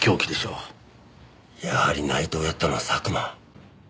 やはり内藤をやったのは佐久間。